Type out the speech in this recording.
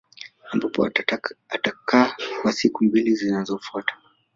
Ambapo atakaa kwa siku mbili zinazofuata